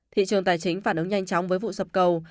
thị trường tài chính phản ứng nhanh chóng với vụ sập cầu